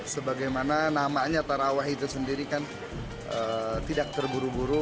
sebagaimana namanya tarawah itu sendiri kan tidak terburu buru